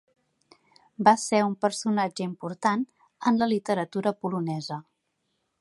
Va ser un personatge important en la literatura polonesa.